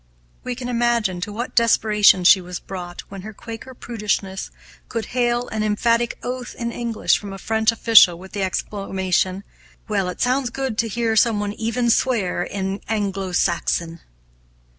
We can imagine to what desperation she was brought when her Quaker prudishness could hail an emphatic oath in English from a French official with the exclamation, "Well, it sounds good to hear someone even swear in old Anglo Saxon!"